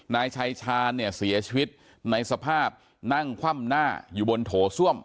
นายชายชาญเนี่ยเสียชีวิตในสภาพนั่งคว่ำหน้าอยู่บนโถส้วม